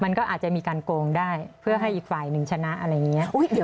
มันก็อาจจะมีการโกงได้เพื่อให้อีกฝ่ายหนึ่งชนะอะไรอย่างนี้